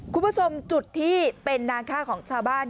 คุณผู้ชมจุดที่เป็นนางค่าของชาวบ้าน